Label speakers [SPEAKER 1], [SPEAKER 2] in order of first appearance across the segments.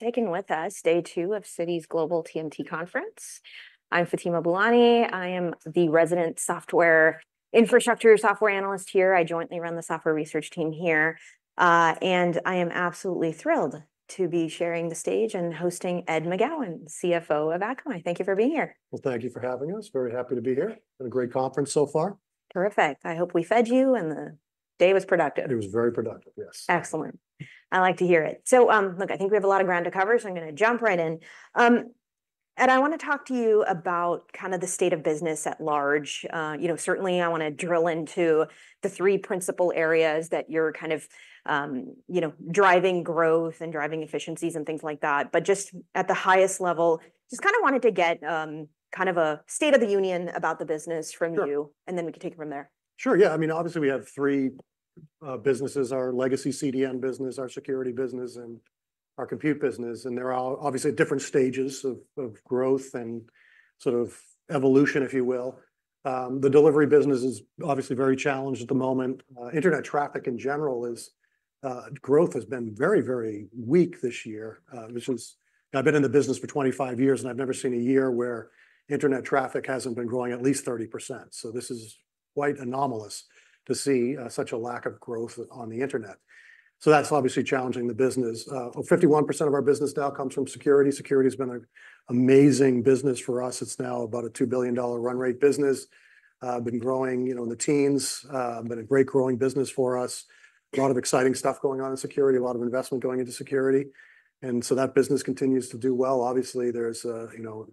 [SPEAKER 1] Taking with us day two of Citi's Global TMT Conference. I'm Fatima Boolani. I am the resident software infrastructure software analyst here. I jointly run the software research team here, and I am absolutely thrilled to be sharing the stage and hosting Ed McGowan, CFO of Akamai. Thank you for being here.
[SPEAKER 2] Thank you for having us. Very happy to be here. Been a great conference so far.
[SPEAKER 1] Terrific. I hope we fed you, and the day was productive.
[SPEAKER 2] It was very productive, yes.
[SPEAKER 1] Excellent. I like to hear it. So, look, I think we have a lot of ground to cover, so I'm gonna jump right in. Ed, I want to talk to you about kind of the state of business at large. You know, certainly I want to drill into the three principal areas that you're kind of, you know, driving growth and driving efficiencies and things like that. But just at the highest level, just kind of wanted to get, kind of a state of the union about the business from you-
[SPEAKER 2] Sure.
[SPEAKER 1] and then we can take it from there.
[SPEAKER 2] Sure, yeah. I mean, obviously, we have three businesses: our legacy CDN business, our security business, and our compute business, and they're all obviously at different stages of growth and sort of evolution, if you will. The delivery business is obviously very challenged at the moment. Internet traffic in general, growth has been very, very weak this year. I've been in the business for 25 years, and I've never seen a year where internet traffic hasn't been growing at least 30%, so this is quite anomalous to see such a lack of growth on the internet, so that's obviously challenging the business. 51% of our business now comes from security. Security's been an amazing business for us. It's now about a $2 billion run rate business. Been growing, you know, in the teens. Been a great growing business for us. A lot of exciting stuff going on in security, a lot of investment going into security, and so that business continues to do well. Obviously, there's, you know,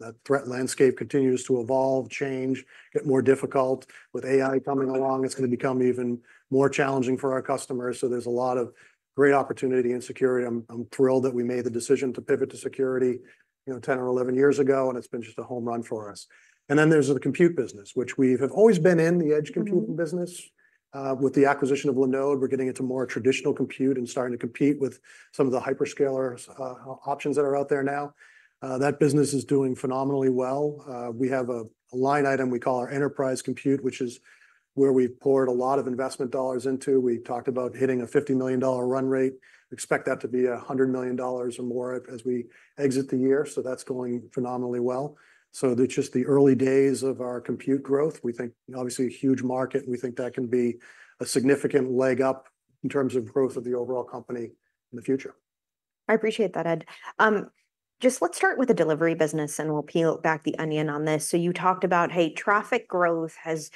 [SPEAKER 2] that threat landscape continues to evolve, change, get more difficult. With AI coming along, it's going to become even more challenging for our customers, so there's a lot of great opportunity in security. I'm thrilled that we made the decision to pivot to security, you know, ten or 11 years ago, and it's been just a home run for us. And then there's the compute business, which we have always been in the edge computing-
[SPEAKER 1] Mm-hmm...
[SPEAKER 2] business. With the acquisition of Linode, we're getting into more traditional compute and starting to compete with some of the hyperscaler options that are out there now. That business is doing phenomenally well. We have a line item we call our enterprise compute, which is where we've poured a lot of investment dollars into. We talked about hitting a $50 million run rate. Expect that to be $100 million or more as we exit the year, so that's going phenomenally well. It's just the early days of our compute growth. We think obviously a huge market, and we think that can be a significant leg up in terms of growth of the overall company in the future.
[SPEAKER 1] I appreciate that, Ed. Just let's start with the delivery business, and we'll peel back the onion on this. So you talked about, hey, traffic growth has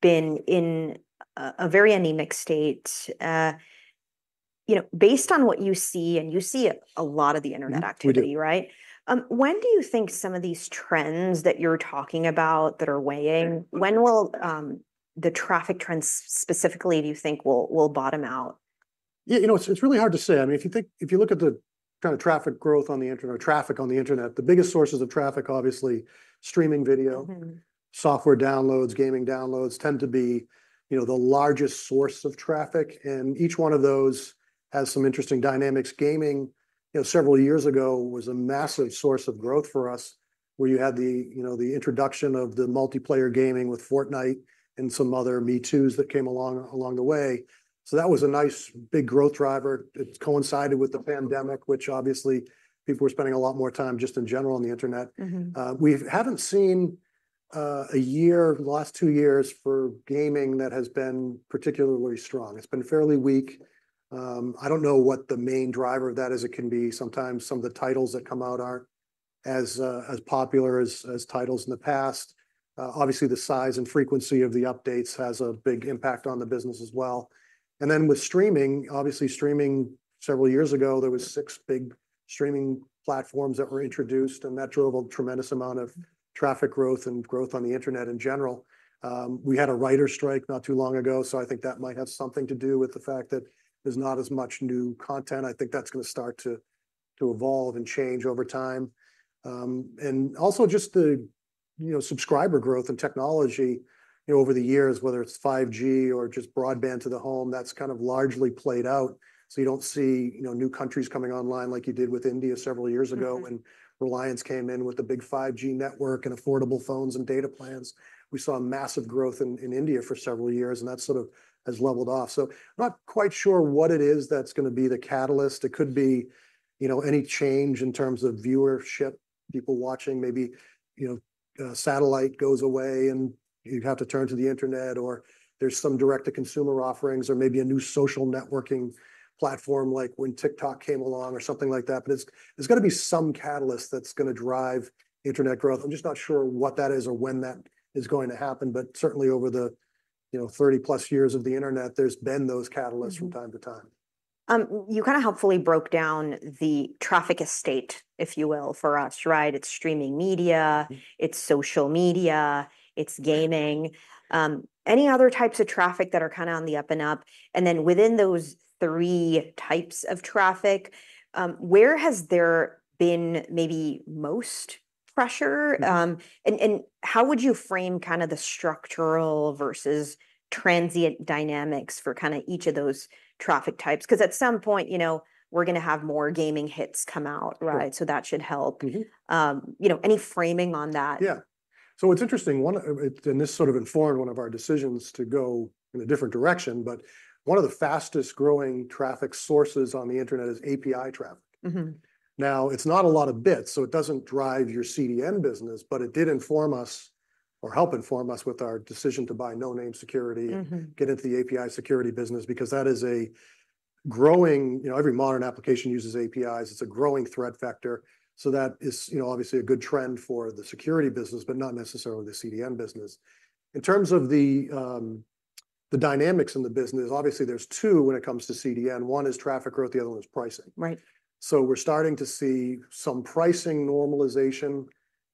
[SPEAKER 1] been in a very anemic state. You know, based on what you see, and you see a lot of the internet activity-
[SPEAKER 2] We do...
[SPEAKER 1] right? When do you think some of these trends that you're talking about that are weighing-
[SPEAKER 2] Sure...
[SPEAKER 1] when will the traffic trends specifically, do you think, will bottom out?
[SPEAKER 2] Yeah, you know, it's really hard to say. I mean, if you look at the kind of traffic growth on the internet or traffic on the internet, the biggest sources of traffic, obviously, streaming video.
[SPEAKER 1] Mm-hmm...
[SPEAKER 2] software downloads, gaming downloads tend to be, you know, the largest source of traffic, and each one of those has some interesting dynamics. Gaming, you know, several years ago, was a massive source of growth for us, where you had the, you know, the introduction of the multiplayer gaming with Fortnite and some other me-toos that came along, along the way. So that was a nice big growth driver. It coincided with the pandemic, which obviously, people were spending a lot more time just in general on the internet.
[SPEAKER 1] Mm-hmm.
[SPEAKER 2] We haven't seen in the last two years for gaming that has been particularly strong. It's been fairly weak. I don't know what the main driver of that is. It can be sometimes some of the titles that come out aren't as popular as titles in the past. Obviously, the size and frequency of the updates has a big impact on the business as well, and then with streaming, obviously streaming several years ago, there was six big streaming platforms that were introduced, and that drove a tremendous amount of traffic growth and growth on the internet in general. We had a writers' strike not too long ago, so I think that might have something to do with the fact that there's not as much new content. I think that's gonna start to evolve and change over time. and also just the, you know, subscriber growth and technology, you know, over the years, whether it's 5G or just broadband to the home, that's kind of largely played out. So you don't see, you know, new countries coming online like you did with India several years ago-
[SPEAKER 1] Mm-hmm...
[SPEAKER 2] when Reliance came in with the big 5G network and affordable phones and data plans. We saw massive growth in India for several years, and that sort of has leveled off. So I'm not quite sure what it is that's gonna be the catalyst. It could be, you know, any change in terms of viewership, people watching. Maybe, you know, satellite goes away, and you have to turn to the internet, or there's some direct-to-consumer offerings or maybe a new social networking platform, like when TikTok came along or something like that. But there's gonna be some catalyst that's gonna drive internet growth. I'm just not sure what that is or when that is going to happen. But certainly, over the, you know, 30-plus years of the internet, there's been those catalysts-
[SPEAKER 1] Mm-hmm...
[SPEAKER 2] from time to time.
[SPEAKER 1] You kind of helpfully broke down the traffic estate, if you will, for us, right? It's streaming media, it's social media, it's gaming. Any other types of traffic that are kind of on the up and up? And then within those three types of traffic, where has there been maybe most pressure?
[SPEAKER 2] Mm.
[SPEAKER 1] How would you frame kind of the structural versus transient dynamics for kind of each of those traffic types? 'Cause at some point, you know, we're gonna have more gaming hits come out-
[SPEAKER 2] Right...
[SPEAKER 1] right? So that should help.
[SPEAKER 2] Mm-hmm.
[SPEAKER 1] You know, any framing on that?...
[SPEAKER 2] So it's interesting. This sort of informed one of our decisions to go in a different direction, but one of the fastest-growing traffic sources on the internet is API traffic.
[SPEAKER 1] Mm-hmm.
[SPEAKER 2] Now, it's not a lot of bits, so it doesn't drive your CDN business, but it did inform us or help inform us with our decision to buy Noname Security.
[SPEAKER 1] Mm-hmm
[SPEAKER 2] ...get into the API security business, because that is a growing, you know, every modern application uses APIs. It's a growing threat vector, so that is, you know, obviously a good trend for the security business, but not necessarily the CDN business. In terms of the dynamics in the business, obviously there's two when it comes to CDN. One is traffic growth, the other one is pricing.
[SPEAKER 1] Right.
[SPEAKER 2] So we're starting to see some pricing normalization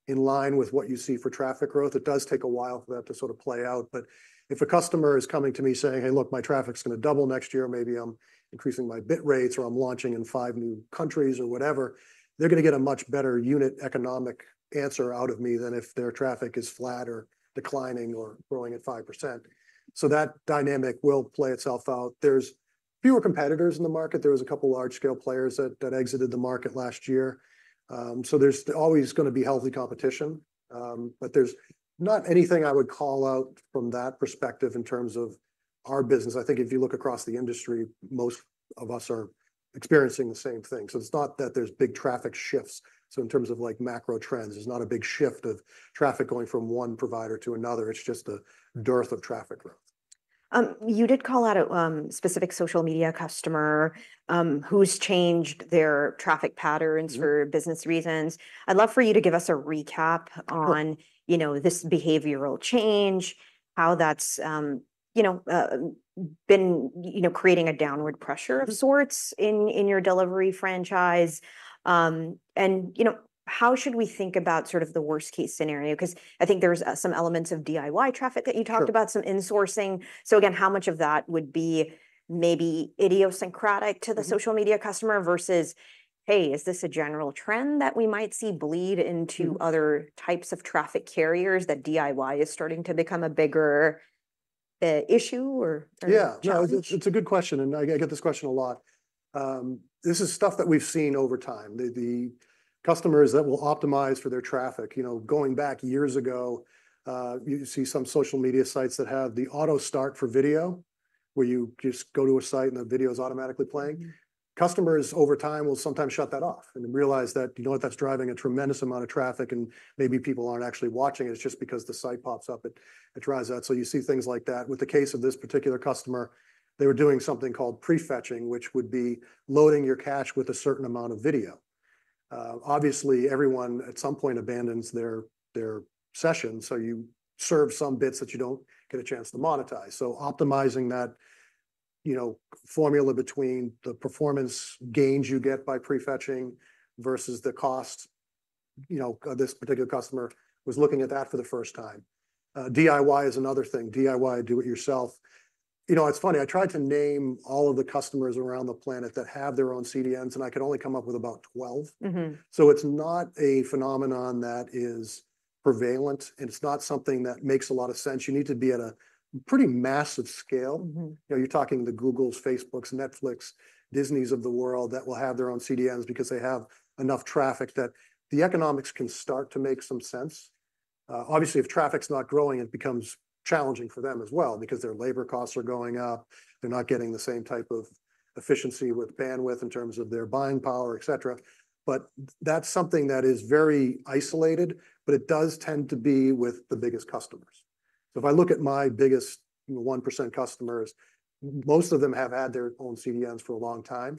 [SPEAKER 2] in line with what you see for traffic growth. It does take a while for that to sort of play out, but if a customer is coming to me saying, "Hey, look, my traffic's gonna double next year, maybe I'm increasing my bit rates, or I'm launching in five new countries," or whatever, they're gonna get a much better unit economic answer out of me than if their traffic is flat or declining or growing at 5%. So that dynamic will play itself out. There's fewer competitors in the market. There was a couple of large-scale players that exited the market last year. So there's always gonna be healthy competition, but there's not anything I would call out from that perspective in terms of our business. I think if you look across the industry, most of us are experiencing the same thing. So it's not that there's big traffic shifts, so in terms of, like, macro trends, there's not a big shift of traffic going from one provider to another. It's just a dearth of traffic growth.
[SPEAKER 1] You did call out a specific social media customer who's changed their traffic patterns-
[SPEAKER 2] Mm-hmm...
[SPEAKER 1] for business reasons. I'd love for you to give us a recap on-
[SPEAKER 2] Sure...
[SPEAKER 1] you know, this behavioral change, how that's, you know, been, you know, creating a downward pressure of sorts in your delivery franchise. And, you know, how should we think about sort of the worst-case scenario? 'Cause I think there's some elements of DIY traffic that you talked about-
[SPEAKER 2] Sure...
[SPEAKER 1] some insourcing. So again, how much of that would be maybe idiosyncratic to the social media customer versus, hey, is this a general trend that we might see bleed into?
[SPEAKER 2] Mm...
[SPEAKER 1] other types of traffic carriers, that DIY is starting to become a bigger issue or challenge?
[SPEAKER 2] Yeah, no, it's a good question, and I get this question a lot. This is stuff that we've seen over time, the customers that will optimize for their traffic. You know, going back years ago, you see some social media sites that have the auto-start for video, where you just go to a site, and the video is automatically playing.
[SPEAKER 1] Mm.
[SPEAKER 2] Customers over time will sometimes shut that off and realize that, you know what? That's driving a tremendous amount of traffic, and maybe people aren't actually watching it. It's just because the site pops up, it drives that. So you see things like that. With the case of this particular customer, they were doing something called prefetching, which would be loading your cache with a certain amount of video. Obviously, everyone at some point abandons their session, so you serve some bits that you don't get a chance to monetize. So optimizing that, you know, formula between the performance gains you get by prefetching versus the cost, you know, this particular customer was looking at that for the first time. DIY is another thing. DIY, do it yourself. You know, it's funny, I tried to name all of the customers around the planet that have their own CDNs, and I could only come up with about 12.
[SPEAKER 1] Mm-hmm.
[SPEAKER 2] So it's not a phenomenon that is prevalent, and it's not something that makes a lot of sense. You need to be at a pretty massive scale.
[SPEAKER 1] Mm-hmm.
[SPEAKER 2] You know, you're talking the Googles, Facebooks, Netflix, Disneys of the world that will have their own CDNs because they have enough traffic that the economics can start to make some sense. Obviously, if traffic's not growing, it becomes challenging for them as well because their labor costs are going up. They're not getting the same type of efficiency with bandwidth in terms of their buying power, et cetera. But that's something that is very isolated, but it does tend to be with the biggest customers. So if I look at my biggest 1% customers, most of them have had their own CDNs for a long time.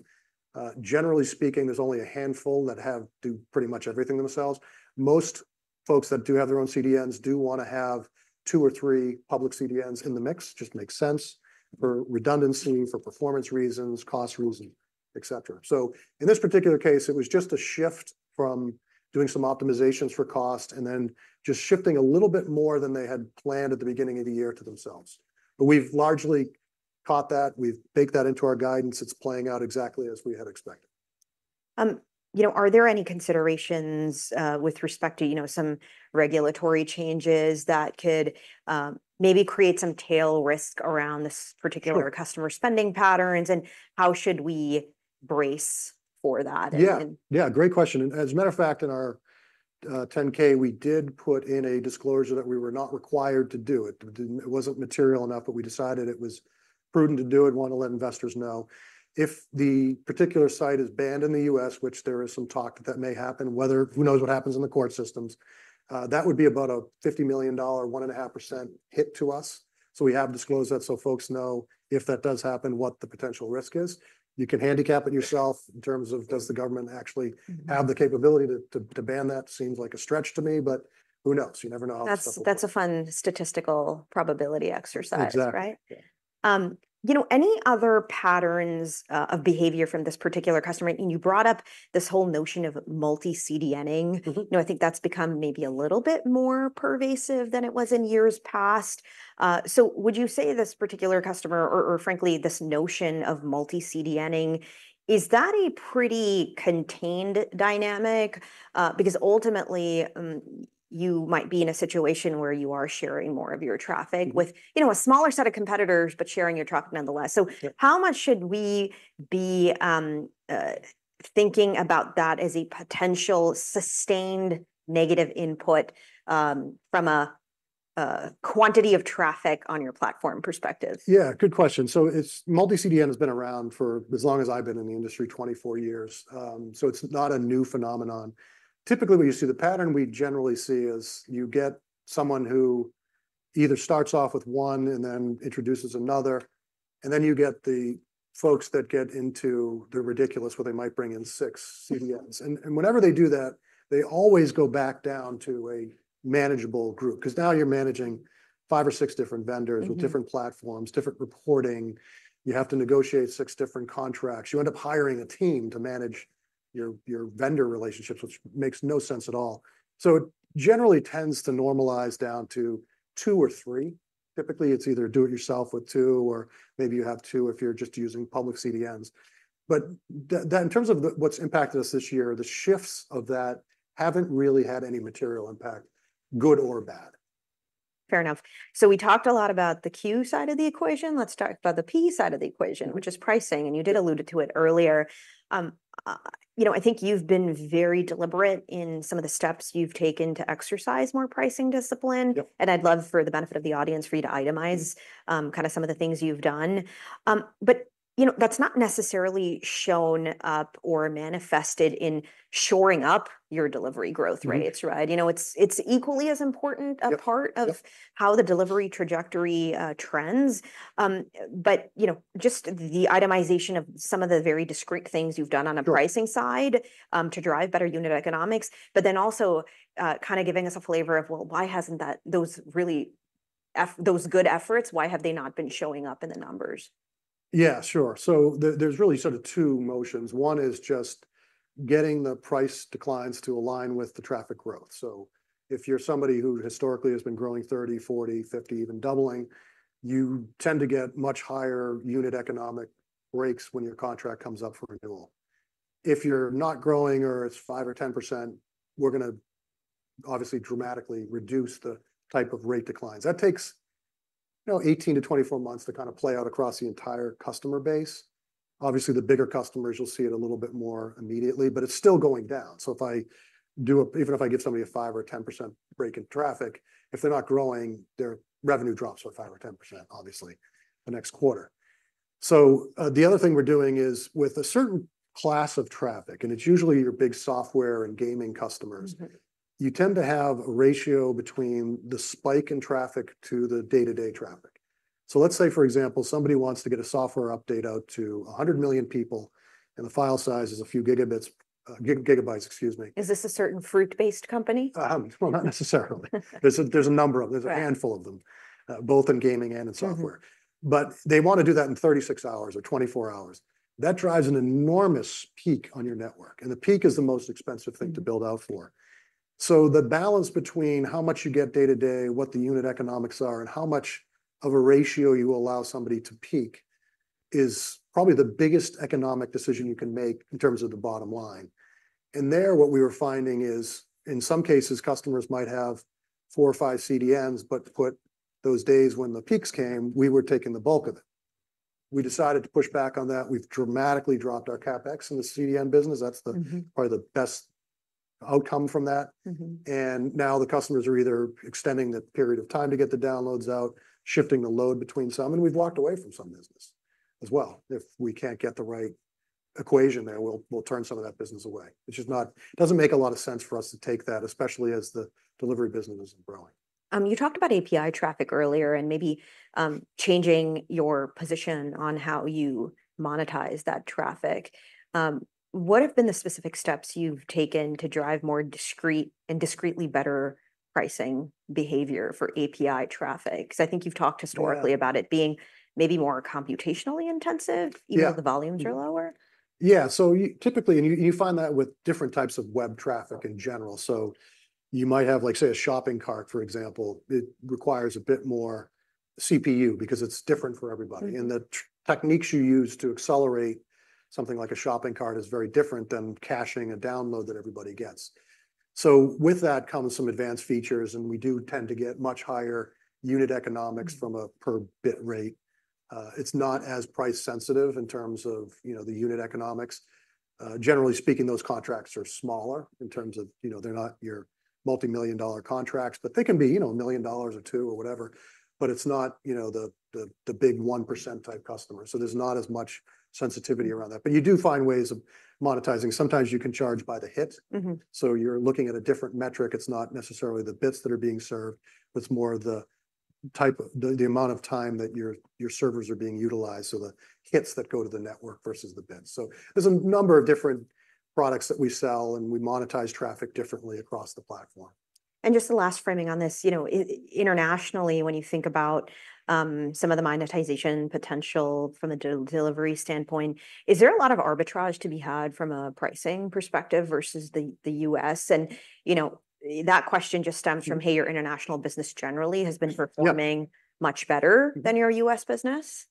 [SPEAKER 2] Generally speaking, there's only a handful that have, do pretty much everything themselves. Most folks that do have their own CDNs do wanna have two or three public CDNs in the mix. Just makes sense for redundancy, for performance reasons, cost reason, et cetera. So in this particular case, it was just a shift from doing some optimizations for cost, and then just shifting a little bit more than they had planned at the beginning of the year to themselves. But we've largely caught that. We've baked that into our guidance. It's playing out exactly as we had expected.
[SPEAKER 1] You know, are there any considerations with respect to, you know, some regulatory changes that could maybe create some tail risk around this particular-
[SPEAKER 2] Sure...
[SPEAKER 1] customer spending patterns, and how should we brace for that?
[SPEAKER 2] Yeah. Yeah, great question. As a matter of fact, in our 10-K, we did put in a disclosure that we were not required to do. It didn't... It wasn't material enough, but we decided it was prudent to do and want to let investors know. If the particular site is banned in the U.S., which there is some talk that that may happen, whether- who knows what happens in the court systems? That would be about a $50 million, 1.5% hit to us, so we have disclosed that so folks know, if that does happen, what the potential risk is. You can handicap it yourself in terms of does the government actually-
[SPEAKER 1] Mm...
[SPEAKER 2] have the capability to ban that? Seems like a stretch to me, but who knows? You never know how stuff will work.
[SPEAKER 1] That's, that's a fun statistical probability exercise-
[SPEAKER 2] Exactly...
[SPEAKER 1] right? You know, any other patterns of behavior from this particular customer? And you brought up this whole notion of multi-CDNing.
[SPEAKER 2] Mm-hmm.
[SPEAKER 1] You know, I think that's become maybe a little bit more pervasive than it was in years past. So would you say this particular customer or, or frankly, this notion of multi-CDNing, is that a pretty contained dynamic? Because ultimately, you might be in a situation where you are sharing more of your traffic-
[SPEAKER 2] Mm...
[SPEAKER 1] with, you know, a smaller set of competitors, but sharing your traffic nonetheless.
[SPEAKER 2] Sure.
[SPEAKER 1] So how much should we be thinking about that as a potential sustained negative input from a quantity of traffic on your platform perspective?
[SPEAKER 2] Yeah, good question. So it's multi-CDN has been around for as long as I've been in the industry, 24 years. So it's not a new phenomenon. Typically, when you see the pattern we generally see is you get someone who either starts off with one and then introduces another, and then you get the folks that get into the ridiculous, where they might bring in six CDNs. And whenever they do that, they always go back down to a manageable group, 'cause now you're managing five or six different vendors-
[SPEAKER 1] Mm-hmm...
[SPEAKER 2] with different platforms, different reporting. You have to negotiate six different contracts. You end up hiring a team to manage your vendor relationships, which makes no sense at all. So it generally tends to normalize down to two or three. Typically, it's either do it yourself with two, or maybe you have two if you're just using public CDNs. But in terms of what's impacted us this year, the shifts of that haven't really had any material impact, good or bad.
[SPEAKER 1] Fair enough. So we talked a lot about the Q side of the equation. Let's talk about the P side of the equation, which is pricing, and you did allude to it earlier. You know, I think you've been very deliberate in some of the steps you've taken to exercise more pricing discipline.
[SPEAKER 2] Yep.
[SPEAKER 1] I'd love, for the benefit of the audience, for you to itemize kind of some of the things you've done. But, you know, that's not necessarily shown up or manifested in shoring up your delivery growth, right?
[SPEAKER 2] Mm-hmm.
[SPEAKER 1] It's right, you know, it's equally as important-
[SPEAKER 2] Yep...
[SPEAKER 1] a part of-
[SPEAKER 2] Yep...
[SPEAKER 1] how the delivery trajectory, trends, but you know, just the itemization of some of the very discrete things you've done on a-
[SPEAKER 2] Sure...
[SPEAKER 1] pricing side, to drive better unit economics, but then also, kind of giving us a flavor of, well, why hasn't that, those really good efforts, why have they not been showing up in the numbers?
[SPEAKER 2] Yeah, sure. So there's really sort of two motions. One is just getting the price declines to align with the traffic growth. So if you're somebody who historically has been growing 30%, 40%, 50%, even doubling, you tend to get much higher unit economic breaks when your contract comes up for renewal. If you're not growing, or it's 5% or 10%, we're gonna obviously dramatically reduce the type of rate declines. That takes, you know, 18-24 months to kind of play out across the entire customer base. Obviously, the bigger customers will see it a little bit more immediately, but it's still going down. So if I do a even if I give somebody a 5% or 10% break in traffic, if they're not growing, their revenue drops by 5% or 10%, obviously, the next quarter. So, the other thing we're doing is with a certain class of traffic, and it's usually your big software and gaming customers-
[SPEAKER 1] Mm-hmm ...
[SPEAKER 2] you tend to have a ratio between the spike in traffic to the day-to-day traffic. So let's say, for example, somebody wants to get a software update out to 100 million people, and the file size is a few gigabytes, excuse me.
[SPEAKER 1] Is this a certain fruit-based company?
[SPEAKER 2] Well, not necessarily. There's a number of them.
[SPEAKER 1] Right.
[SPEAKER 2] There's a handful of them, both in gaming and in software.
[SPEAKER 1] Mm-hmm.
[SPEAKER 2] But they want to do that in 36 hours or 24 hours. That drives an enormous peak on your network, and the peak is the most expensive thing to build out for. So the balance between how much you get day to day, what the unit economics are, and how much of a ratio you allow somebody to peak, is probably the biggest economic decision you can make in terms of the bottom line. And there, what we were finding is, in some cases, customers might have four or five CDNs, but put those days when the peaks came, we were taking the bulk of it. We decided to push back on that. We've dramatically dropped our CapEx in the CDN business. That's the-
[SPEAKER 1] Mm-hmm...
[SPEAKER 2] probably the best outcome from that.
[SPEAKER 1] Mm-hmm.
[SPEAKER 2] Now the customers are either extending the period of time to get the downloads out, shifting the load between some, and we've walked away from some business as well. If we can't get the right equation there, we'll turn some of that business away, which doesn't make a lot of sense for us to take that, especially as the delivery business is growing.
[SPEAKER 1] You talked about API traffic earlier and maybe changing your position on how you monetize that traffic. What have been the specific steps you've taken to drive more discrete and discretely better pricing behavior for API traffic? 'Cause I think you've talked historically-
[SPEAKER 2] Yeah...
[SPEAKER 1] about it being maybe more computationally intensive-
[SPEAKER 2] Yeah...
[SPEAKER 1] even though the volumes are lower.
[SPEAKER 2] Yeah, so typically, you find that with different types of web traffic in general.
[SPEAKER 1] Sure.
[SPEAKER 2] So you might have, like, say, a shopping cart, for example. It requires a bit more CPU because it's different for everybody.
[SPEAKER 1] Mm-hmm.
[SPEAKER 2] And the techniques you use to accelerate something like a shopping cart is very different than caching a download that everybody gets. So with that comes some advanced features, and we do tend to get much higher unit economics-
[SPEAKER 1] Mm...
[SPEAKER 2] from a per bit rate. It's not as price sensitive in terms of, you know, the unit economics. Generally speaking, those contracts are smaller in terms of, you know, they're not your multimillion-dollar contracts, but they can be, you know, $1 million or $2 million or whatever. But it's not, you know, the, the, the big 1% type customer, so there's not as much sensitivity around that. But you do find ways of monetizing. Sometimes you can charge by the hit.
[SPEAKER 1] Mm-hmm.
[SPEAKER 2] So you're looking at a different metric. It's not necessarily the bits that are being served, but it's more the type of the amount of time that your servers are being utilized, so the hits that go to the network versus the bits. So there's a number of different products that we sell, and we monetize traffic differently across the platform.
[SPEAKER 1] And just the last framing on this, you know, internationally, when you think about some of the monetization potential from the delivery standpoint, is there a lot of arbitrage to be had from a pricing perspective versus the U.S.? And, you know, that question just stems from, hey, your international business generally has been performing-
[SPEAKER 2] Yep...
[SPEAKER 1] much better.
[SPEAKER 2] Mm...
[SPEAKER 1] than your U.S. business?...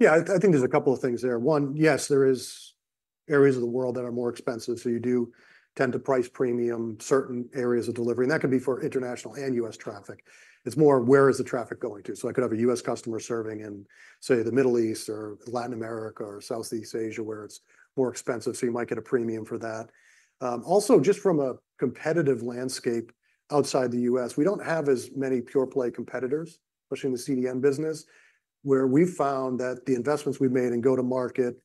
[SPEAKER 2] Yeah, I, I think there's a couple of things there. One, yes, there is areas of the world that are more expensive, so you do tend to price premium certain areas of delivery, and that could be for international and U.S. traffic. It's more of where is the traffic going to? So I could have a U.S. customer serving in, say, the Middle East or Latin America or Southeast Asia, where it's more expensive, so you might get a premium for that. Also, just from a competitive landscape outside the U.S., we don't have as many pure-play competitors, especially in the CDN business, where we've found that the investments we've made in go-to-market,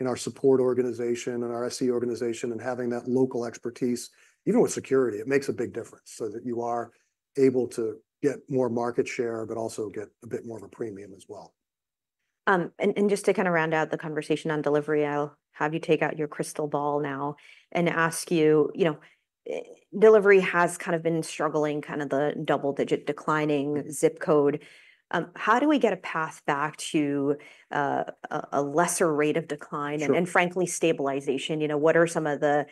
[SPEAKER 2] in our support organization, in our SE organization, and having that local expertise, even with security, it makes a big difference, so that you are able to get more market share but also get a bit more of a premium as well.
[SPEAKER 1] And just to kind of round out the conversation on delivery, I'll have you take out your crystal ball now and ask you, you know, delivery has kind of been struggling, kind of the double-digit declining zip code. How do we get a path back to a lesser rate of decline?
[SPEAKER 2] Sure...
[SPEAKER 1] and frankly, stabilization? You know, what are some of the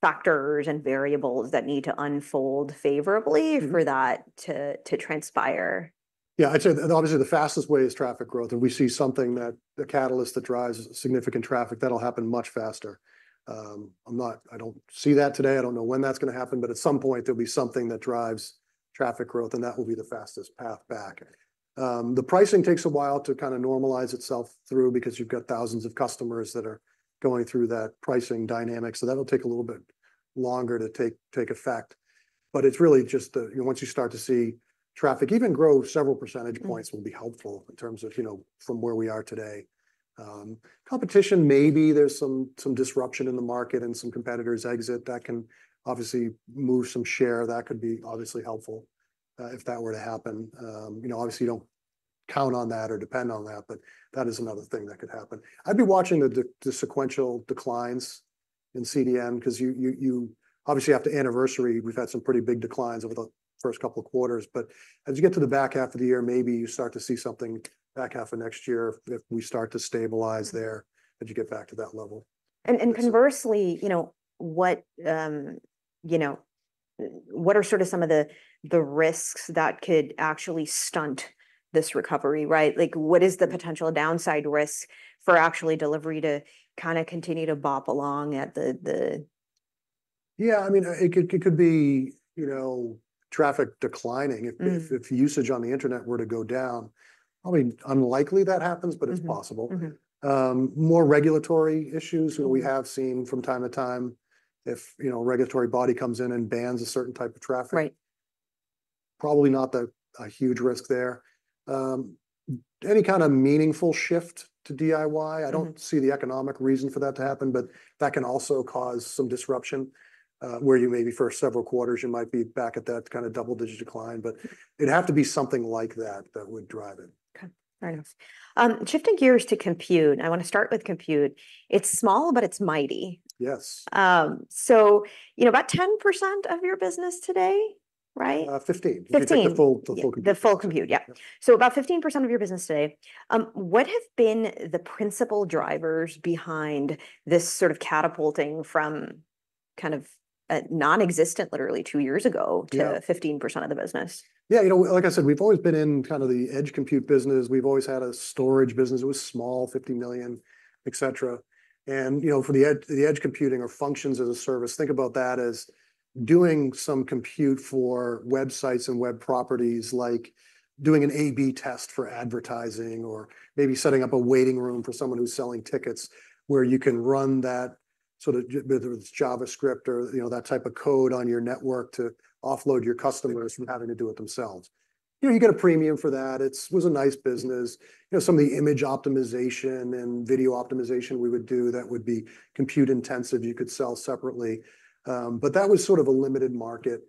[SPEAKER 1] factors and variables that need to unfold favorably-
[SPEAKER 2] Mm...
[SPEAKER 1] for that to transpire?
[SPEAKER 2] Yeah, I'd say, obviously the fastest way is traffic growth, and we see something that... the catalyst that drives significant traffic, that'll happen much faster. I don't see that today. I don't know when that's gonna happen, but at some point, there'll be something that drives traffic growth, and that will be the fastest path back. The pricing takes a while to kind of normalize itself through because you've got thousands of customers that are going through that pricing dynamic, so that'll take a little bit longer to take effect. But it's really just the... You know, once you start to see traffic even grow several percentage points-
[SPEAKER 1] Mm...
[SPEAKER 2] will be helpful in terms of, you know, from where we are today. Competition, maybe there's some disruption in the market and some competitors exit. That can obviously move some share. That could be obviously helpful, if that were to happen. You know, obviously you don't count on that or depend on that, but that is another thing that could happen. I'd be watching the sequential declines in CDN because you obviously, after anniversary, we've had some pretty big declines over the first couple of quarters. But as you get to the back half of the year, maybe you start to see something back half of next year if we start to stabilize there, as you get back to that level.
[SPEAKER 1] Conversely, you know, what are sort of some of the risks that could actually stunt this recovery, right? Like, what is the potential downside risk for actually delivery to kind of continue to bop along at the, the-
[SPEAKER 2] Yeah, I mean, it could be, you know, traffic declining-
[SPEAKER 1] Mm...
[SPEAKER 2] if usage on the internet were to go down, probably unlikely that happens-
[SPEAKER 1] Mm-hmm...
[SPEAKER 2] but it's possible.
[SPEAKER 1] Mm-hmm.
[SPEAKER 2] More regulatory issues.
[SPEAKER 1] Mm...
[SPEAKER 2] we have seen from time to time, if, you know, a regulatory body comes in and bans a certain type of traffic.
[SPEAKER 1] Right.
[SPEAKER 2] Probably not a huge risk there. Any kind of meaningful shift to DIY-
[SPEAKER 1] Mm...
[SPEAKER 2] I don't see the economic reason for that to happen, but that can also cause some disruption, where you maybe for several quarters, you might be back at that kind of double-digit decline. But it'd have to be something like that that would drive it.
[SPEAKER 1] Okay, fair enough. Shifting gears to compute, I want to start with compute. It's small, but it's mighty.
[SPEAKER 2] Yes.
[SPEAKER 1] So you know, about 10% of your business today, right?
[SPEAKER 2] Uh, 15.
[SPEAKER 1] 15.
[SPEAKER 2] If you take the full compute.
[SPEAKER 1] The full compute, yep.
[SPEAKER 2] Yeah.
[SPEAKER 1] So about 15% of your business today. What have been the principal drivers behind this sort of catapulting from kind of non-existent literally two years ago?
[SPEAKER 2] Yeah...
[SPEAKER 1] to 15% of the business?
[SPEAKER 2] Yeah, you know, like I said, we've always been in kind of the edge compute business. We've always had a storage business. It was small, $50 million, et cetera. And, you know, for the edge, the edge computing or functions as a service, think about that as doing some compute for websites and web properties, like doing an A/B test for advertising or maybe setting up a waiting room for someone who's selling tickets, where you can run that sort of whether it's JavaScript or, you know, that type of code on your network to offload your customers from having to do it themselves. You know, you get a premium for that. It was a nice business. You know, some of the image optimization and video optimization we would do that would be compute-intensive, you could sell separately. But that was sort of a limited market,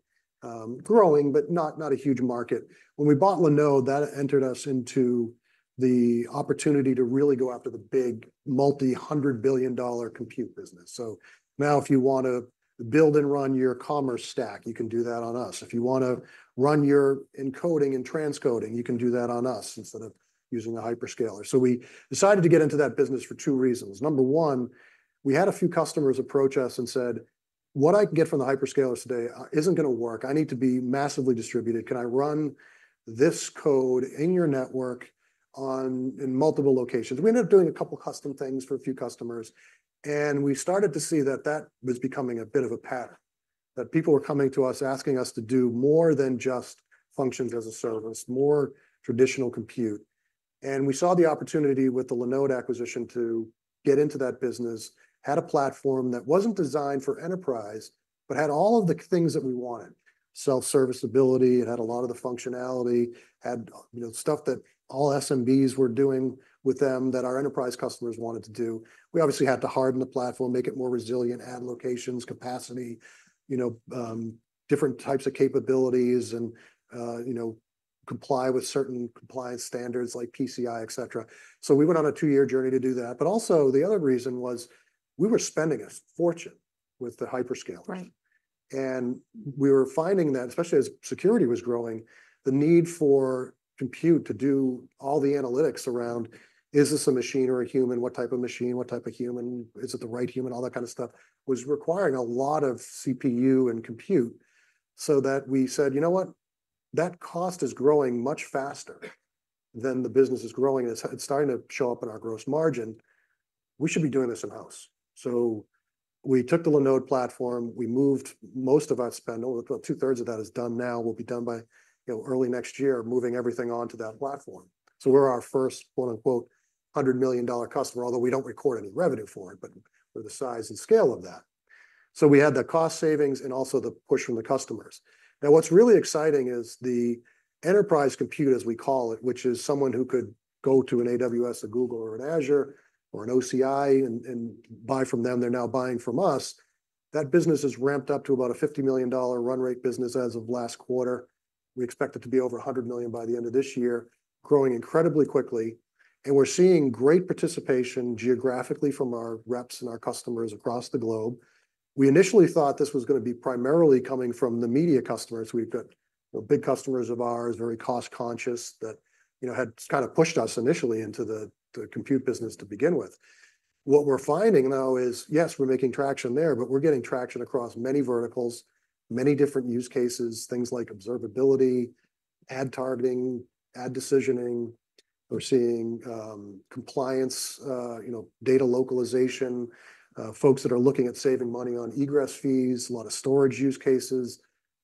[SPEAKER 2] growing but not a huge market. When we bought Linode, that entered us into the opportunity to really go after the big multi-hundred-billion-dollar compute business. So now if you want to build and run your commerce stack, you can do that on us. If you want to run your encoding and transcoding, you can do that on us instead of using a hyperscaler. So we decided to get into that business for two reasons. Number one, we had a few customers approach us and said: "What I can get from the hyperscalers today, isn't gonna work. I need to be massively distributed. Can I run this code in your network on... in multiple locations?" We ended up doing a couple custom things for a few customers, and we started to see that that was becoming a bit of a pattern, that people were coming to us, asking us to do more than just functions as a service, more traditional compute, and we saw the opportunity with the Linode acquisition to get into that business, had a platform that wasn't designed for enterprise but had all of the things that we wanted. Self-service ability, it had a lot of the functionality, had, you know, stuff that all SMBs were doing with them that our enterprise customers wanted to do. We obviously had to harden the platform, make it more resilient, add locations, capacity, you know, different types of capabilities, and, you know, comply with certain compliance standards like PCI, et cetera. So we went on a two-year journey to do that. But also, the other reason was we were spending a fortune with the hyperscalers.
[SPEAKER 1] Right.
[SPEAKER 2] And we were finding that, especially as security was growing, the need for compute to do all the analytics around, is this a machine or a human? What type of machine, what type of human, is it the right human? All that kind of stuff, was requiring a lot of CPU and compute, so that we said, "You know what?" That cost is growing much faster than the business is growing, and it's starting to show up in our gross margin. We should be doing this in-house. So we took the Linode platform, we moved most of our spend, over about two-thirds of that is done now, will be done by, you know, early next year, moving everything onto that platform. So we're our first, quote-unquote, $100 million customer, although we don't record any revenue for it, but we're the size and scale of that. So we had the cost savings and also the push from the customers. Now, what's really exciting is the enterprise compute, as we call it, which is someone who could go to an AWS, a Google, or an Azure or an OCI and buy from them, they're now buying from us. That business has ramped up to about a $50 million run rate business as of last quarter. We expect it to be over $100 million by the end of this year, growing incredibly quickly, and we're seeing great participation geographically from our reps and our customers across the globe. We initially thought this was gonna be primarily coming from the media customers. We've got, you know, big customers of ours, very cost-conscious, that, you know, had kind of pushed us initially into the compute business to begin with. What we're finding, though, is, yes, we're making traction there, but we're getting traction across many verticals, many different use cases, things like observability, ad targeting, ad decisioning. We're seeing compliance, you know, data localization, folks that are looking at saving money on egress fees, a lot of storage use cases.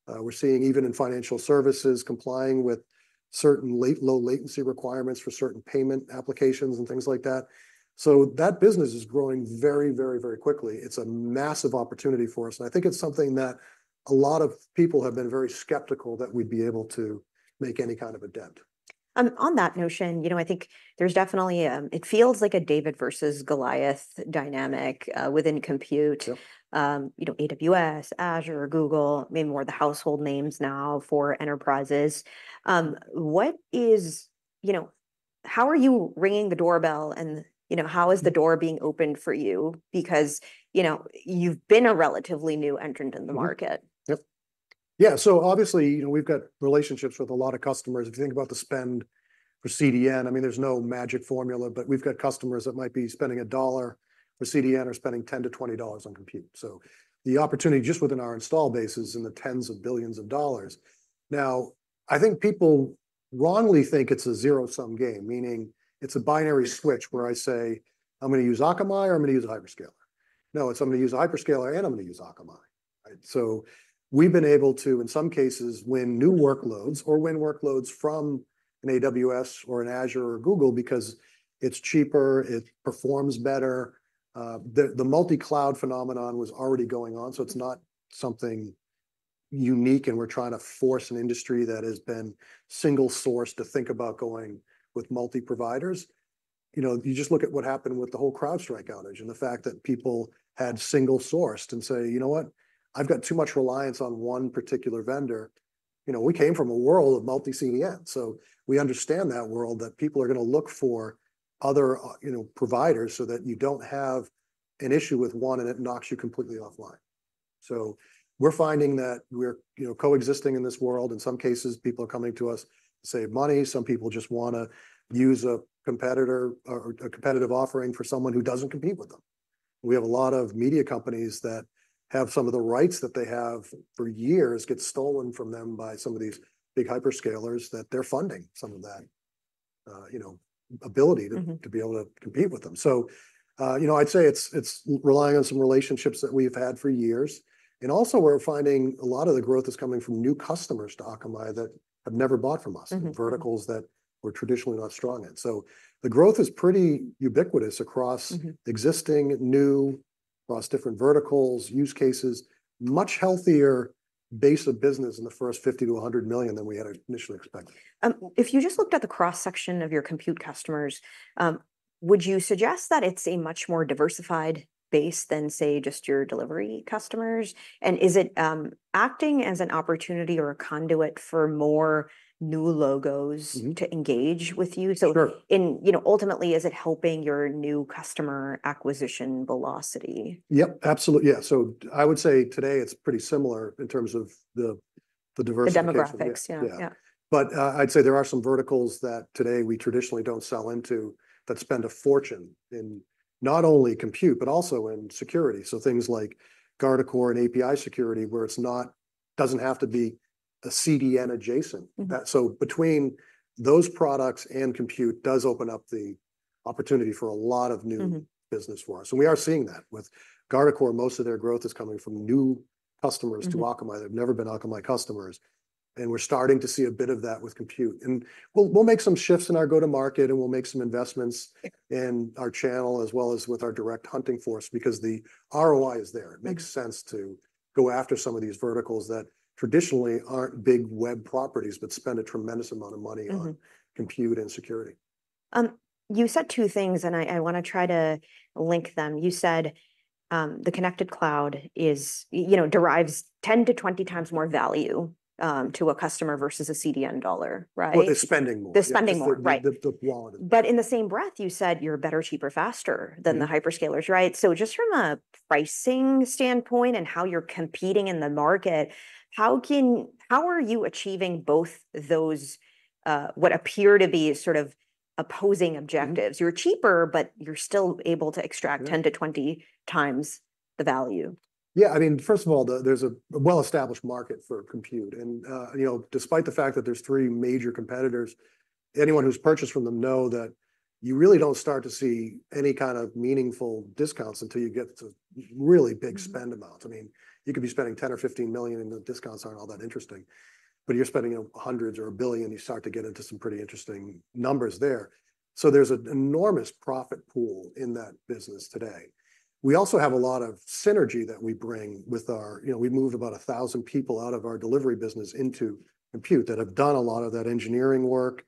[SPEAKER 2] We're seeing even in financial services, complying with certain low latency requirements for certain payment applications and things like that, so that business is growing very, very, very quickly. It's a massive opportunity for us, and I think it's something that a lot of people have been very skeptical that we'd be able to make any kind of a dent.
[SPEAKER 1] On that notion, you know, I think there's definitely. It feels like a David versus Goliath dynamic within compute.
[SPEAKER 2] Sure.
[SPEAKER 1] You know, AWS, Azure, Google, being more of the household names now for enterprises. You know, how are you ringing the doorbell and, you know, how is the door being opened for you? Because, you know, you've been a relatively new entrant in the market.
[SPEAKER 2] Mm-hmm. Yep. Yeah, so obviously, you know, we've got relationships with a lot of customers. If you think about the spend for CDN, I mean, there's no magic formula, but we've got customers that might be spending $1 for CDN or spending $10 to $20 on compute. So the opportunity just within our installed base is in the tens of billions of dollars. Now, I think people wrongly think it's a zero-sum game, meaning it's a binary switch where I say, "I'm gonna use Akamai, or I'm gonna use a hyperscaler." No, it's, "I'm gonna use a hyperscaler, and I'm gonna use Akamai," right? So we've been able to, in some cases, win new workloads or win workloads from an AWS or an Azure or Google because it's cheaper, it performs better. The multi-cloud phenomenon was already going on, so it's not something unique, and we're trying to force an industry that has been single-sourced to think about going with multi-providers. You know, you just look at what happened with the whole CrowdStrike outage and the fact that people had single-sourced and say, "You know what? I've got too much reliance on one particular vendor." You know, we came from a world of multi-CDN, so we understand that world, that people are gonna look for other, you know, providers so that you don't have an issue with one, and it knocks you completely offline. So we're finding that we're, you know, coexisting in this world. In some cases, people are coming to us to save money. Some people just wanna use a competitor or a competitive offering for someone who doesn't compete with them. We have a lot of media companies that have some of the rights that they have for years get stolen from them by some of these big hyperscalers, that they're funding some of that, you know, ability-
[SPEAKER 1] Mm-hmm...
[SPEAKER 2] to be able to compete with them. So, you know, I'd say it's relying on some relationships that we've had for years, and also we're finding a lot of the growth is coming from new customers to Akamai that have never bought from us-
[SPEAKER 1] Mm-hmm...
[SPEAKER 2] verticals that we're traditionally not strong in. So the growth is pretty ubiquitous across-
[SPEAKER 1] Mm-hmm...
[SPEAKER 2] existing, new, across different verticals, use cases, much healthier base of business in the first $50 million to $100 million than we had initially expected.
[SPEAKER 1] If you just looked at the cross-section of your compute customers, would you suggest that it's a much more diversified base than, say, just your delivery customers? And is it acting as an opportunity or a conduit for more new logos-
[SPEAKER 2] Mm-hmm...
[SPEAKER 1] to engage with you?
[SPEAKER 2] Sure.
[SPEAKER 1] In, you know, ultimately, is it helping your new customer acquisition velocity?
[SPEAKER 2] Yep, absolutely. Yeah, so I would say today it's pretty similar in terms of the diversification.
[SPEAKER 1] The demographics.
[SPEAKER 2] Yeah.
[SPEAKER 1] Yeah, yeah.
[SPEAKER 2] But, I'd say there are some verticals that today we traditionally don't sell into, that spend a fortune in not only compute but also in security, so things like Guardicore and API security, where it doesn't have to be CDN-adjacent.
[SPEAKER 1] Mm-hmm.
[SPEAKER 2] That. So between those products and compute does open up the opportunity for a lot of new...
[SPEAKER 1] Mm-hmm...
[SPEAKER 2] business for us, and we are seeing that. With Guardicore, most of their growth is coming from new customers to Akamai.
[SPEAKER 1] Mm-hmm.
[SPEAKER 2] They've never been Akamai customers, and we're starting to see a bit of that with compute, and we'll make some shifts in our go-to-market, and we'll make some investments in our channel, as well as with our direct hunting force, because the ROI is there.
[SPEAKER 1] Mm-hmm.
[SPEAKER 2] It makes sense to go after some of these verticals that traditionally aren't big web properties but spend a tremendous amount of money on-
[SPEAKER 1] Mm-hmm...
[SPEAKER 2] compute and security.
[SPEAKER 1] You said two things, and I wanna try to link them. You said, the Connected Cloud is, you know, derives 10 to 20 times more value to a customer versus a CDN dollar, right?
[SPEAKER 2] Well, they're spending more.
[SPEAKER 1] They're spending more, right.
[SPEAKER 2] The volume.
[SPEAKER 1] But in the same breath, you said you're better, cheaper, faster than the hyperscalers, right? So just from a pricing standpoint and how you're competing in the market, how are you achieving both those, what appear to be sort of opposing objectives.
[SPEAKER 2] Mm-hmm.
[SPEAKER 1] You're cheaper, but you're still able to extract-
[SPEAKER 2] Yeah
[SPEAKER 1] 10 to 20 times the value.
[SPEAKER 2] Yeah, I mean, first of all, there's a well-established market for compute, and, you know, despite the fact that there's three major competitors, anyone who's purchased from them know that you really don't start to see any kind of meaningful discounts until you get to really big-
[SPEAKER 1] Mm...
[SPEAKER 2] spend amounts. I mean, you could be spending $10 million or $15 million, and the discounts aren't all that interesting. But you're spending hundreds or a billion, you start to get into some pretty interesting numbers there. So there's an enormous profit pool in that business today. We also have a lot of synergy that we bring with our... You know, we moved about 1,000 people out of our delivery business into compute that have done a lot of that engineering work,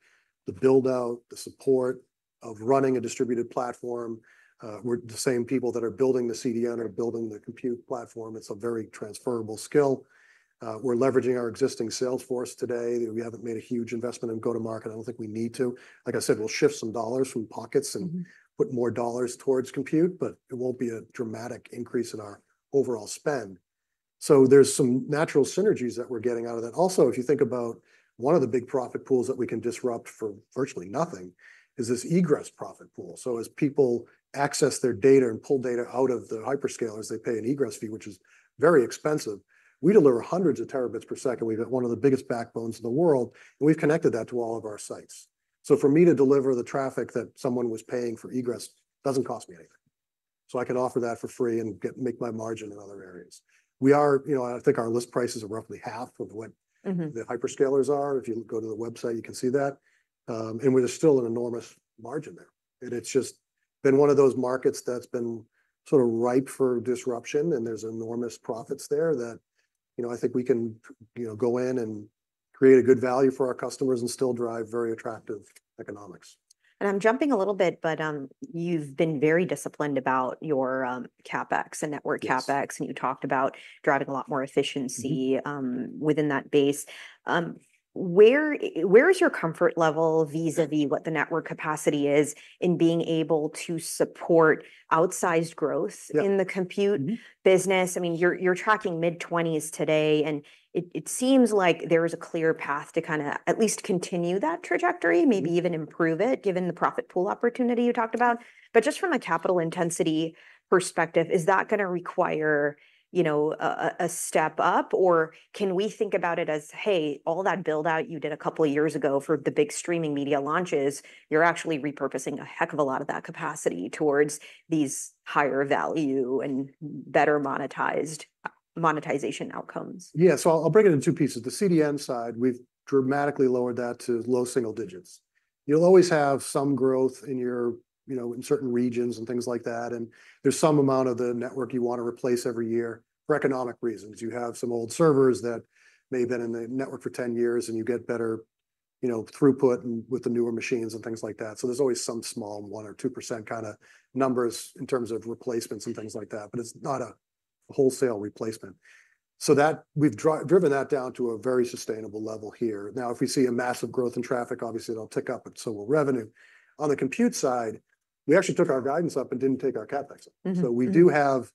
[SPEAKER 2] the build-out, the support of running a distributed platform. The same people that are building the CDN are building the compute platform. It's a very transferable skill. We're leveraging our existing sales force today. We haven't made a huge investment in go-to-market. I don't think we need to. Like I said, we'll shift some dollars from pockets and-
[SPEAKER 1] Mm-hmm...
[SPEAKER 2] put more dollars towards compute, but it won't be a dramatic increase in our overall spend. So there's some natural synergies that we're getting out of that. Also, if you think about one of the big profit pools that we can disrupt for virtually nothing is this egress profit pool. So as people access their data and pull data out of the hyperscalers, they pay an egress fee, which is very expensive. We deliver hundreds of terabits per second. We have one of the biggest backbones in the world, and we've Connected that to all of our sites. So for me to deliver the traffic that someone was paying for egress doesn't cost me anything. So I can offer that for free and get- make my margin in other areas. We are. You know, I think our list prices are roughly half of what-
[SPEAKER 1] Mm-hmm...
[SPEAKER 2] the hyperscalers are. If you go to the website, you can see that, and there's still an enormous margin there, and it's just been one of those markets that's been sort of ripe for disruption, and there's enormous profits there that, you know, I think we can, you know, go in and create a good value for our customers and still drive very attractive economics.
[SPEAKER 1] And I'm jumping a little bit, but you've been very disciplined about your CapEx and network CapEx-
[SPEAKER 2] Yes...
[SPEAKER 1] and you talked about driving a lot more efficiency-
[SPEAKER 2] Mm-hmm...
[SPEAKER 1] within that base. Where is your comfort level vis-à-vis what the network capacity is in being able to support outsized growth?
[SPEAKER 2] Yeah...
[SPEAKER 1] in the compute-
[SPEAKER 2] Mm...
[SPEAKER 1] business? I mean, you're tracking mid-20s today, and it seems like there is a clear path to kind of at least continue that trajectory-
[SPEAKER 2] Mm...
[SPEAKER 1] maybe even improve it, given the profit pool opportunity you talked about. But just from a capital intensity perspective, is that gonna require, you know, a step up, or can we think about it as, hey, all that build-out you did a couple of years ago for the big streaming media launches, you're actually repurposing a heck of a lot of that capacity towards these higher value and better monetized monetization outcomes?
[SPEAKER 2] Yeah, so I'll break it in two pieces. The CDN side, we've dramatically lowered that to low single digits. You'll always have some growth in your, you know, in certain regions and things like that, and there's some amount of the network you want to replace every year for economic reasons. You have some old servers that may have been in the network for 10 years, and you get better, you know, throughput and with the newer machines and things like that. So there's always some small 1% or 2% kind of numbers in terms of replacements and things like that, but it's not a wholesale replacement. So that we've driven that down to a very sustainable level here. Now, if we see a massive growth in traffic, obviously it'll tick up, but so will revenue. On the compute side, we actually took our guidance up and didn't take our CapEx up.
[SPEAKER 1] Mm-hmm, mm-hmm.
[SPEAKER 2] So we do have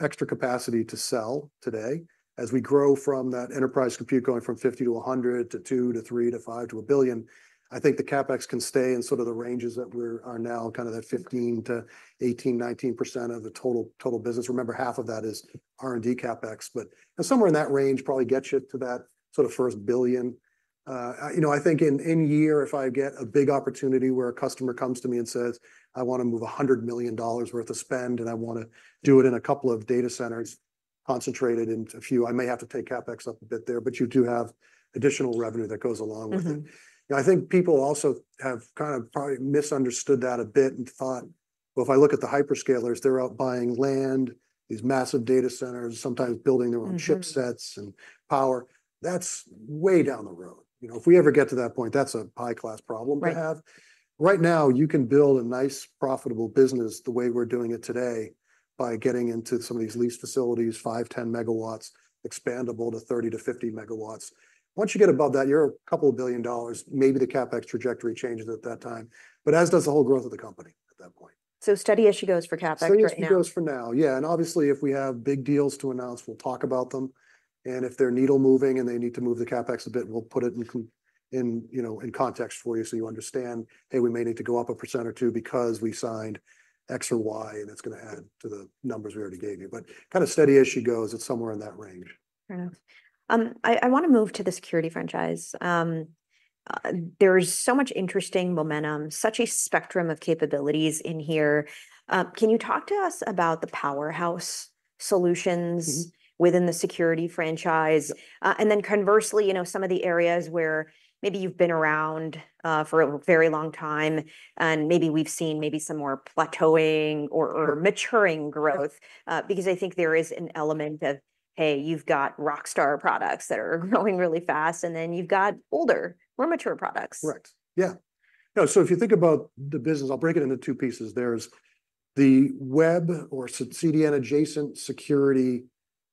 [SPEAKER 2] extra capacity to sell today. As we grow from that enterprise compute going from 50 to 100 to two to three to five to a billion, I think the CapEx can stay in sort of the ranges that we're now, kind of that 15% to 19% of the total business. Remember, half of that is R&D CapEx, but somewhere in that range probably gets you to that sort of first billion. You know, I think in a year, if I get a big opportunity where a customer comes to me and says: "I want to move $100 million worth of spend, and I want to do it in a couple of data centers concentrated into a few," I may have to take CapEx up a bit there, but you do have additional revenue that goes along with it.
[SPEAKER 1] Mm-hmm.
[SPEAKER 2] You know, I think people also have kind of probably misunderstood that a bit and thought... Well, if I look at the hyperscalers, they're out buying land, these massive data centers, sometimes building their own-
[SPEAKER 1] Mm-hmm...
[SPEAKER 2] chipsets and power. That's way down the road. You know, if we ever get to that point, that's a high-class problem to have.
[SPEAKER 1] Right.
[SPEAKER 2] Right now, you can build a nice, profitable business the way we're doing it today by getting into some of these lease facilities, 5, 10 megawatts, expandable to 30-50 megawatts. Once you get above that, you're $2 billion. Maybe the CapEx trajectory changes at that time, but as does the whole growth of the company at that point.
[SPEAKER 1] So steady as she goes for CapEx right now?
[SPEAKER 2] Steady as she goes for now, yeah, and obviously, if we have big deals to announce, we'll talk about them, and if they're needle moving, and they need to move the CapEx a bit, we'll put it in, you know, in context for you so you understand, hey, we may need to go up 1% or 2% because we signed X or Y, and it's gonna add to the numbers we already gave you. But kind of steady as she goes, it's somewhere in that range.
[SPEAKER 1] Fair enough. I want to move to the security franchise. There is so much interesting momentum, such a spectrum of capabilities in here. Can you talk to us about the powerhouse solutions-
[SPEAKER 2] Mm-hmm...
[SPEAKER 1] within the security franchise? And then conversely, you know, some of the areas where maybe you've been around for a very long time, and maybe we've seen maybe some more plateauing or-
[SPEAKER 2] Sure...
[SPEAKER 1] maturing growth.
[SPEAKER 2] Sure.
[SPEAKER 1] Because I think there is an element of, hey, you've got rockstar products that are growing really fast, and then you've got older, more mature products.
[SPEAKER 2] Correct. Yeah. You know, so if you think about the business, I'll break it into two pieces. There's the web or CDN-adjacent security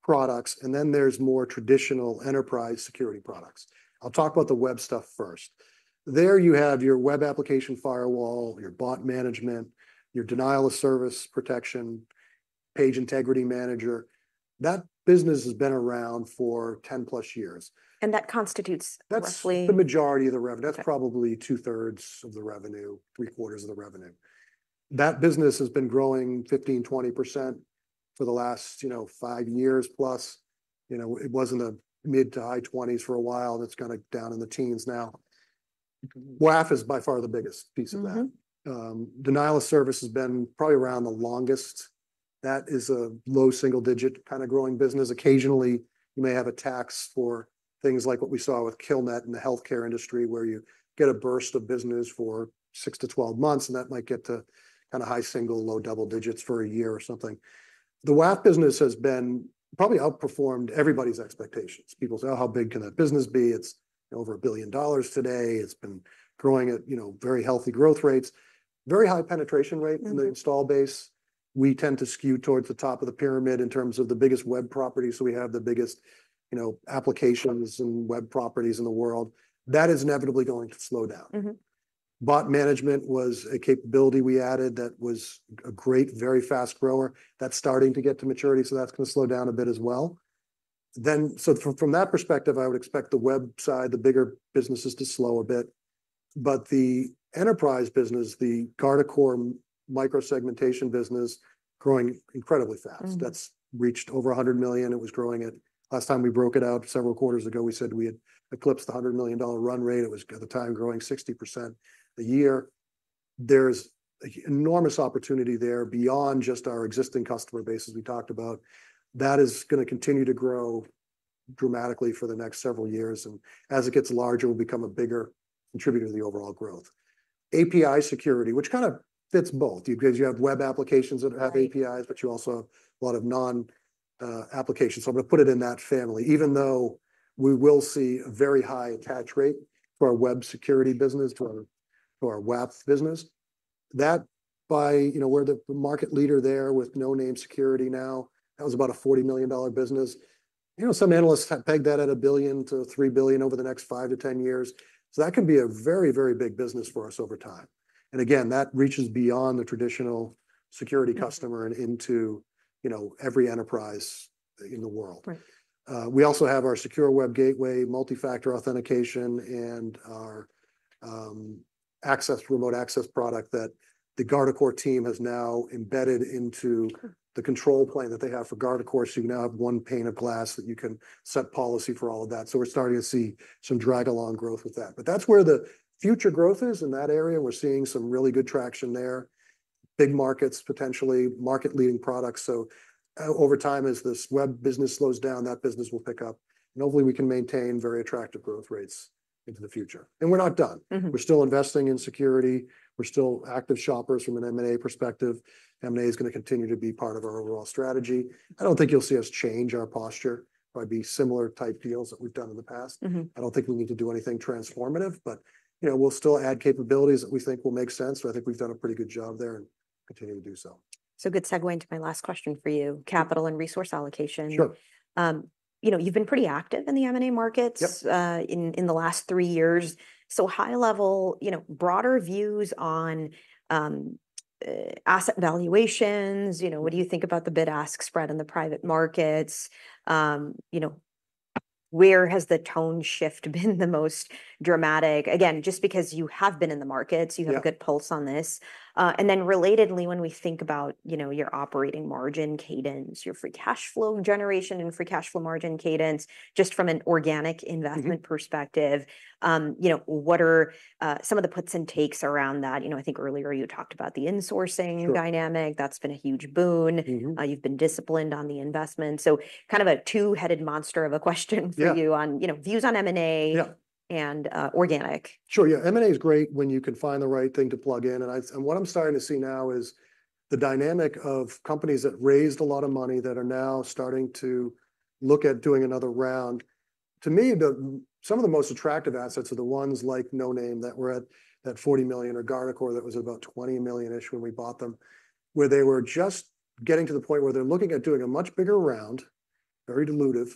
[SPEAKER 2] products, and then there's more traditional enterprise security products. I'll talk about the web stuff first. There you have your web application firewall, your bot management, your denial-of-service protection, Page Integrity Manager. That business has been around for ten plus years.
[SPEAKER 1] And that constitutes roughly.
[SPEAKER 2] That's the majority of the revenue.
[SPEAKER 1] Okay.
[SPEAKER 2] That's probably two-thirds of the revenue, three-quarters of the revenue. That business has been growing 15% to 20% for the last, you know, five years plus. You know, it was in the mid- to high 20s for a while, and it's kind of down in the 10s now. WAF is by far the biggest piece of that.
[SPEAKER 1] Mm-hmm.
[SPEAKER 2] Denial of service has been probably around the longest. That is a low single digit kind of growing business. Occasionally, you may have attacks for things like what we saw with Killnet in the healthcare industry, where you get a burst of business for six to 12 months, and that might get to kind of high single- to low double-digit for a year or something. The WAF business has been probably outperformed everybody's expectations. People say, "Oh, how big can that business be?" It's over $1 billion today. It's been growing at, you know, very healthy growth rates. Very high penetration rate.
[SPEAKER 1] Mm-hmm...
[SPEAKER 2] in the install base. We tend to skew towards the top of the pyramid in terms of the biggest web properties, so we have the biggest, you know, applications and web properties in the world. That is inevitably going to slow down.
[SPEAKER 1] Mm-hmm.
[SPEAKER 2] Bot Management was a capability we added that was a great, very fast grower. That's starting to get to maturity, so that's gonna slow down a bit as well. Then, so from, from that perspective, I would expect the web side, the bigger businesses, to slow a bit. But the enterprise business, the Guardicore micro-segmentation business, growing incredibly fast.
[SPEAKER 1] Mm.
[SPEAKER 2] That's reached over $100 million. It was growing at... Last time we broke it out several quarters ago, we said we had eclipsed the $100 million run rate. It was, at the time, growing 60% a year. There's enormous opportunity there beyond just our existing customer base, as we talked about. That is gonna continue to grow dramatically for the next several years, and as it gets larger, it will become a bigger contributor to the overall growth. API security, which kind of fits both, because you have web applications that have APIs-
[SPEAKER 1] Right...
[SPEAKER 2] but you also have a lot of non-applications. So I'm gonna put it in that family, even though we will see a very high attach rate for our web security business, to our, to our WAF business. That, by... You know, we're the market leader there with Noname Security now. That was about a $40 million business. You know, some analysts have pegged that at $1 billion to $3 billion over the next five to 10 years, so that can be a very, very big business for us over time. And again, that reaches beyond the traditional security customer-
[SPEAKER 1] Mm...
[SPEAKER 2] and into, you know, every enterprise in the world.
[SPEAKER 1] Right.
[SPEAKER 2] We also have our secure web gateway, multi-factor authentication, and our, access, remote access product that the Guardicore team has now embedded into-
[SPEAKER 1] Sure...
[SPEAKER 2] the control plane that they have for Guardicore. So you now have one pane of glass that you can set policy for all of that. So we're starting to see some drag along growth with that. But that's where the future growth is in that area. We're seeing some really good traction there. Big markets, potentially, market-leading products. So over time, as this web business slows down, that business will pick up, and hopefully we can maintain very attractive growth rates into the future. And we're not done.
[SPEAKER 1] Mm-hmm.
[SPEAKER 2] We're still investing in security. We're still active shoppers from an M&A perspective. M&A is gonna continue to be part of our overall strategy. I don't think you'll see us change our posture, probably be similar type deals that we've done in the past.
[SPEAKER 1] Mm-hmm.
[SPEAKER 2] I don't think we need to do anything transformative, but, you know, we'll still add capabilities that we think will make sense. But I think we've done a pretty good job there and continue to do so.
[SPEAKER 1] So good segue into my last question for you: capital and resource allocation.
[SPEAKER 2] Sure.
[SPEAKER 1] You know, you've been pretty active in the M&A markets.
[SPEAKER 2] Yep...
[SPEAKER 1] in the last three years. So high level, you know, broader views on asset valuations. You know, what do you think about the bid-ask spread in the private markets? You know, where has the tone shift been the most dramatic? Again, just because you have been in the markets-
[SPEAKER 2] Yeah...
[SPEAKER 1] you have a good pulse on this, and then relatedly, when we think about, you know, your operating margin cadence, your free cash flow generation, and free cash flow margin cadence, just from an organic investment perspective-
[SPEAKER 2] Mm-hmm...
[SPEAKER 1] you know, what are some of the puts and takes around that? You know, I think earlier you talked about the insourcing dynamic.
[SPEAKER 2] Sure.
[SPEAKER 1] That's been a huge boon.
[SPEAKER 2] Mm-hmm.
[SPEAKER 1] You've been disciplined on the investment, so kind of a two-headed monster of a question for you-
[SPEAKER 2] Yeah...
[SPEAKER 1] on, you know, views on M&A-
[SPEAKER 2] Yeah...
[SPEAKER 1] and, organic.
[SPEAKER 2] Sure, yeah. M&A is great when you can find the right thing to plug in, and I, and what I'm starting to see now is the dynamic of companies that raised a lot of money, that are now starting to look at doing another round. To me, the, some of the most attractive assets are the ones like Noname, that were at $40 million, or Guardicore, that was about $20 million-ish when we bought them, where they were just getting to the point where they're looking at doing a much bigger round, very dilutive,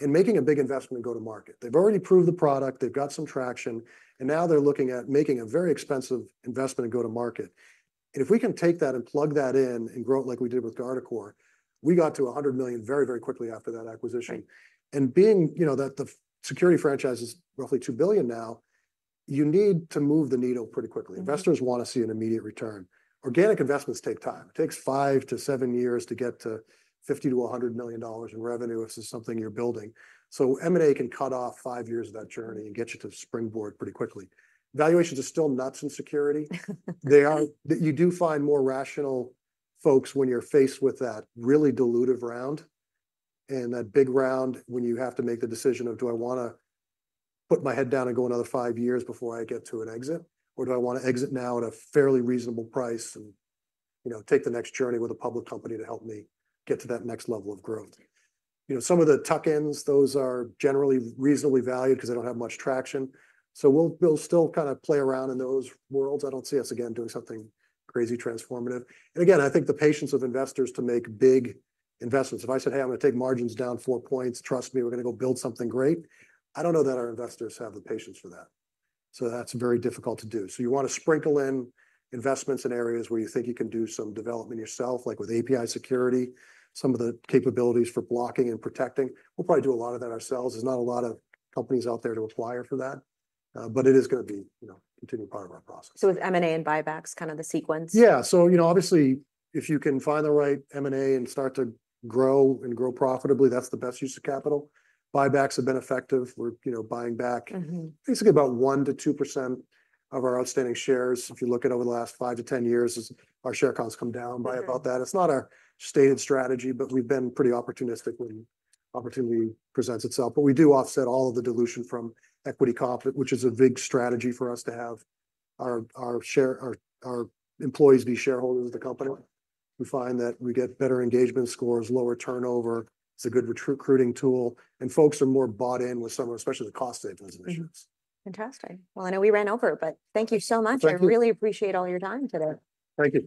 [SPEAKER 2] and making a big investment and go to market. They've already proved the product, they've got some traction, and now they're looking at making a very expensive investment and go to market. If we can take that and plug that in, and grow it like we did with Guardicore, we got to a hundred million very, very quickly after that acquisition.
[SPEAKER 1] Right.
[SPEAKER 2] Being, you know, that the security franchise is roughly $2 billion now, you need to move the needle pretty quickly.
[SPEAKER 1] Mm.
[SPEAKER 2] Investors want to see an immediate return. Organic investments take time. It takes five to seven years to get to $50 million to $100 million in revenue. This is something you're building. So M&A can cut off five years of that journey and get you to springboard pretty quickly. Valuations are still nuts in security. You do find more rational folks when you're faced with that really dilutive round, and that big round, when you have to make the decision of: Do I wanna put my head down and go another five years before I get to an exit, or do I wanna exit now at a fairly reasonable price and, you know, take the next journey with a public company to help me get to that next level of growth? You know, some of the tuck-ins, those are generally reasonably valued, 'cause they don't have much traction. So we'll, we'll still kind of play around in those worlds. I don't see us, again, doing something crazy transformative. And again, I think the patience of investors to make big investments... If I said, "Hey, I'm gonna take margins down four points, trust me, we're gonna go build something great," I don't know that our investors have the patience for that, so that's very difficult to do. So you wanna sprinkle in investments in areas where you think you can do some development yourself, like with API security, some of the capabilities for blocking and protecting. We'll probably do a lot of that ourselves. There's not a lot of companies out there to acquire for that, but it is gonna be, you know, a continuing part of our process.
[SPEAKER 1] So is M&A and buybacks kind of the sequence?
[SPEAKER 2] Yeah, so, you know, obviously, if you can find the right M&A and start to grow and grow profitably, that's the best use of capital. Buybacks have been effective. We're, you know, buying back-
[SPEAKER 1] Mm-hmm...
[SPEAKER 2] basically about 1% to 2% of our outstanding shares. If you look at over the last five to 10 years, as our share count's come down by about that.
[SPEAKER 1] Mm-hmm.
[SPEAKER 2] It's not our stated strategy, but we've been pretty opportunistic when opportunity presents itself. But we do offset all of the dilution from equity comp, which is a big strategy for us to have our employees be shareholders of the company. We find that we get better engagement scores, lower turnover, it's a good recruiting tool, and folks are more bought in with some of, especially the cost savings initiatives.
[SPEAKER 1] Fantastic. Well, I know we ran over, but thank you so much.
[SPEAKER 2] Thank you.
[SPEAKER 1] I really appreciate all your time today.
[SPEAKER 2] Thank you.